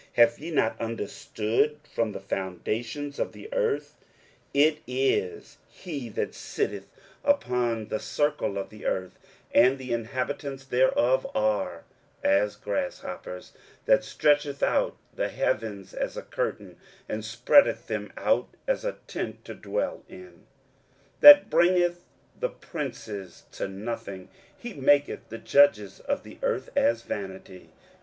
have ye not understood from the foundations of the earth? 23:040:022 It is he that sitteth upon the circle of the earth, and the inhabitants thereof are as grasshoppers; that stretcheth out the heavens as a curtain, and spreadeth them out as a tent to dwell in: 23:040:023 That bringeth the princes to nothing; he maketh the judges of the earth as vanity.